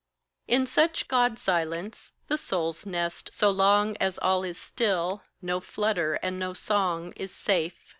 In such God silence, the soul's nest, so long As all is still, no flutter and no song, Is safe.